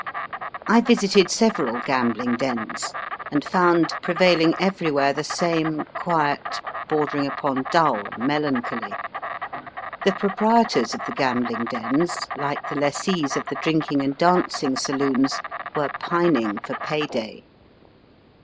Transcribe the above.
I visited several gambling dens, and foimd prevailing everywhere the same quiet, border itig upon dull melancholy. The proprietors of the gambhng dens, like the lessees of the drinking and dancing saloons, were pining for pay day.